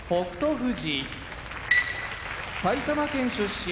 富士埼玉県出身